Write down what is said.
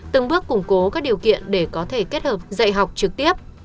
từng bước củng cố các điều kiện để có thể kết hợp dạy học trực tiếp